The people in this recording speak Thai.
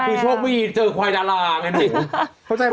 คือโชคไม่ดีจากถูกก็เจอควายดาราเนี่ยหนู